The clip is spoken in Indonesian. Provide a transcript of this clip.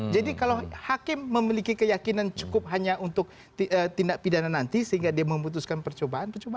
jadi kalau hakim memiliki keyakinan cukup hanya untuk tindak pidana nanti sehingga dia memutuskan percobaan